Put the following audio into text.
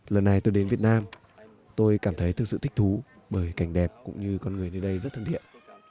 lần này tôi đến việt nam tôi cảm thấy thực sự thích thú bởi cảnh đẹp cũng như con người nơi đây rất thân thiện